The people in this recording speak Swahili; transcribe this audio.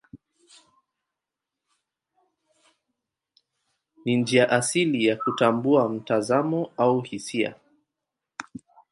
Ni njia asili ya kutambua mtazamo au hisia.